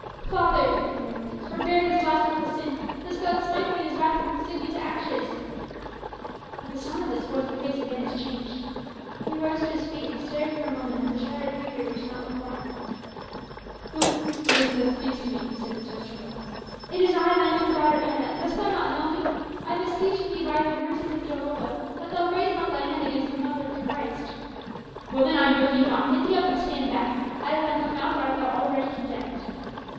"Father," cried an agonized voice, "forbear this last awful sin, lest God smite thee in his wrath and consume thee to ashes!" At the sound of this voice the face of Annas changed. He rose to his feet and stared for a moment at the shrouded figure which knelt before him. "Who who is it that speaks to me?" he said, and his voice trembled. "It is I thine own daughter, Anna; dost thou not know me? I beseech thee by the mercies of Jehovah that thou raise not thy hand against the mother of the Christ." "Woman, I know thee not. Get thee up and stand back. Out of thine own mouth art thou already condemned."